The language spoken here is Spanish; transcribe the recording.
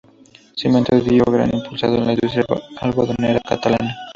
Su invento dio un gran impulso a la industria algodonera catalana.